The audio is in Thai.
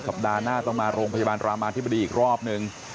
สัปดาห์หน้าต้องมาโรงพยาบาลรามาธิบดีอีกรอบนึง